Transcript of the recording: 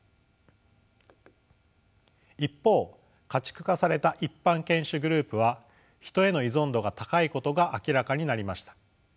一方家畜化された一般犬種グループはヒトへの依存度が高いことが明らかになりました。